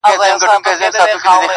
را روان په شپه كــــي ســـېــــــل دى